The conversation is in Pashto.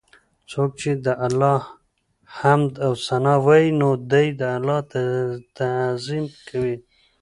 څوک چې د الله حمد او ثناء وايي، نو دی د الله تعظيم کوي